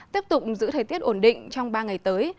tiếp tục giữ thời tiết ổn định trong ba ngày tới